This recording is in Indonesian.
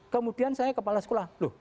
kemudian saya kepala sekolah